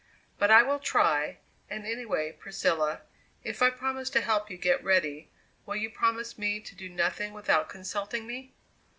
"But I will try, and anyway, Priscilla, if I promise to help you get ready, will you promise me to do nothing without consulting me?"